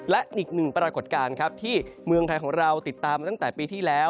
และอีกหนึ่งปรากฏการณ์ครับที่เมืองไทยของเราติดตามมาตั้งแต่ปีที่แล้ว